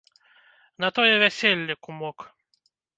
На тое вяселле, кумок.